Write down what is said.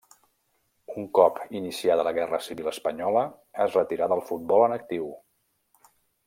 Un cop iniciada la Guerra Civil espanyola es retirà del futbol en actiu.